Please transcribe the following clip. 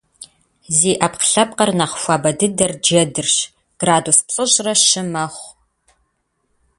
Зи Ӏэпкълъэпкъыр нэхъ хуабэ дыдэр джэдырщ - градус плӏыщӏрэ щы мэхъу.